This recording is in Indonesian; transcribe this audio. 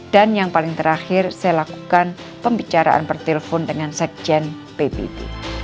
dan yang paling terakhir saya lakukan pembicaraan pertelfon dengan sekjen pbb